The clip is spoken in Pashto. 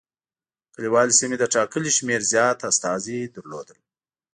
کلیوالي سیمو له ټاکلي شمېر زیات استازي لرل.